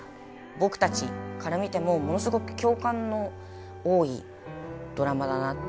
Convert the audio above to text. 僕たちから見てもものすごく共感の多いドラマだなって。